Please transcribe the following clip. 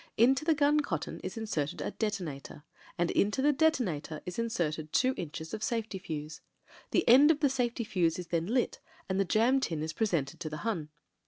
Into the gun cot ton is inserted a detonator; and into the detonator is inserted two inches of safety fuze. The end of the safety fuze is then lit, and the jam tin is presented to the Hun.